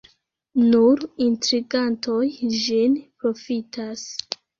Nur intrigantoj ĝin profitas.